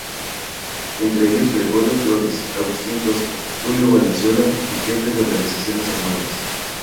Entre ellos Gregorio Flores, Agustín Tosco, Tulio Valenzuela y jefes de organizaciones armadas.